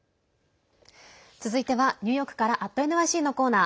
続いてはニューヨークから「＠ｎｙｃ」のコーナー。